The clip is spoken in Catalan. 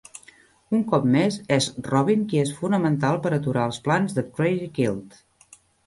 Un cop més, és Robin qui és fonamental per aturar els plans de Crazy Quilt.